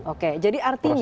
oke jadi artinya